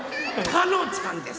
たのちゃんです！